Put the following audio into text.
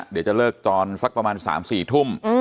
เดี๋ยวจะเลิกตอนสักประมาณ๓๔ทุ่ม